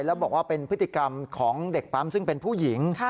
แล้วบอกว่าเป็นพฤติกรรมของเด็กปั๊มซึ่งเป็นผู้หญิง